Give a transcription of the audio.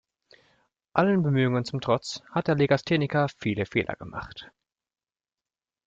Allen Bemühungen zum Trotz hat der Legastheniker viele Fehler gemacht.